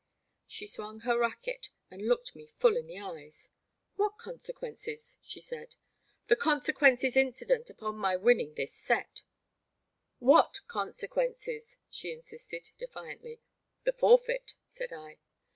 *' She swung her racquet and looked me full in the eyes. What consequences ?she said. The consequences incident upon my winning this set. What consequences? " she insisted, defiantly. "The forfeit," said I.